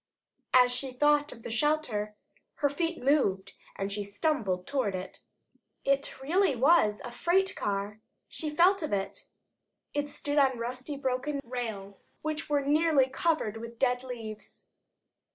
As she thought of shelter, her feet moved, and she stumbled toward it. It really was a freight car. She felt of it. It stood on rusty broken rails which were nearly covered with dead leaves.